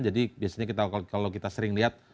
jadi biasanya kalau kita sering lihat